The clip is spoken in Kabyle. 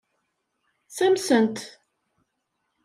Ssamsen-t.